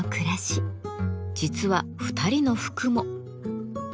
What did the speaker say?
実は２人の服も。